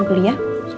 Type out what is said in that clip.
tidak ada apa apa mama